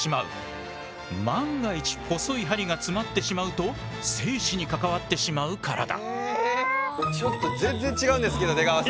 万が一細い針が詰まってしまうと生死に関わってしまうからだ。